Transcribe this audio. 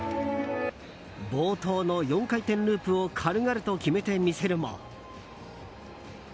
冒頭の４回転ループを軽々と決めて見せるも。